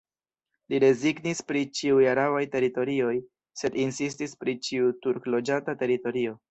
Ili rezignis pri ĉiuj arabaj teritorioj, sed insistis pri ĉiu turk-loĝata teritorio.